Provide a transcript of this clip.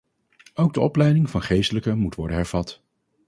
Ook de opleiding van geestelijken moet worden hervat.